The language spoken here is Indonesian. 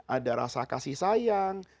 ada rasa kasih sayang